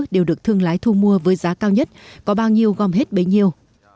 đều được thương lái thu mua với giá cao nhất có bao nhiêu gom hết bấy nhiêu